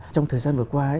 trong thời gian vừa qua ấy